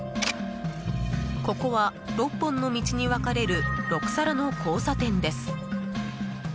ここは６本の道に分かれる六差路の交差点です。